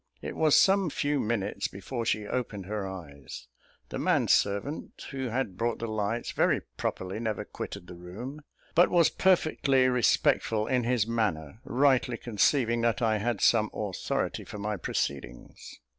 It was some few minutes before she opened her eyes; the man servant, who had brought the lights, very properly never quitted the room, but was perfectly respectful in his manner, rightly conceiving that I had some authority for my proceedings.